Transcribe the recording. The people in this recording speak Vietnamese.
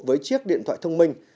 với chiếc điện thoại thông minh